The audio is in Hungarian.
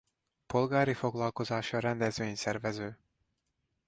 Polgári foglalkozása rendezvényszervező.